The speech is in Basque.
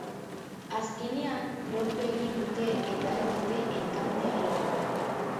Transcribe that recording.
Azkenean, lortu egin dute eta ez dute enkantea egin.